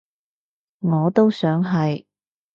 我都想係